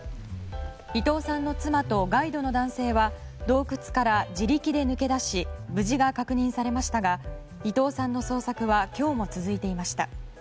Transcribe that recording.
伊東さんの妻とガイドの男性は洞窟から自力で抜け出し無事が確認されましたが伊東さんの捜索は今日も続いていました。